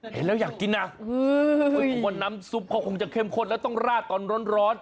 เห็นแล้วอยากกินนะเพราะว่าน้ำซุปเขาคงจะเข้มข้นแล้วต้องราดตอนร้อน